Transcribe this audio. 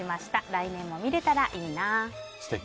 来年も見れたらいいな。